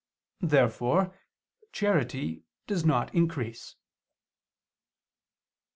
Therefore charity does not increase.